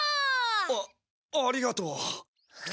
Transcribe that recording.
あありがとう。